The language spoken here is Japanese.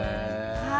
はい。